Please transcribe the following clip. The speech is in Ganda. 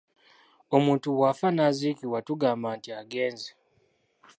Omuntu bw’afa n’aziikibwa tugamba nti agenze.